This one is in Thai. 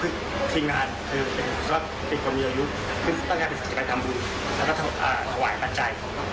พึ่งทริงานคือไม่ได้เป็นความมีอายุพึ่งต้องกันเป็นศัพท์ให้ทำบุแล้วก็ถวายบัจจัย